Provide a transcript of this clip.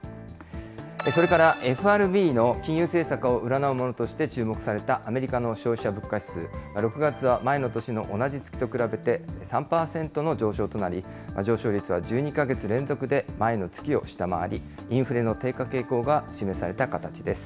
それからＦＲＢの金融政策を占うものとして注目されたアメリカの消費者物価指数、６月は前の年の同じ月と比べて３％の上昇となり、上昇率は１２か月連続で前の月を下回り、インフレの低下傾向が示された形です。